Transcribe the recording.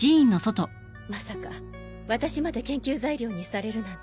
まさか私まで研究材料にされるなんて。